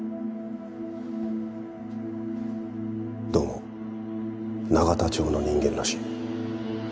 どうも永田町の人間らしい。